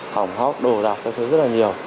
hỏng hóc đồ đạc các thứ rất là nhiều